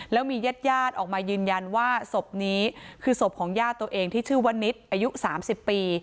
แล้วมีญาติญาติออกมายืนยันว่าศพนี้คือศพของญาติตัวเองที่ชื่อว่านิดอายุ๓๐ปี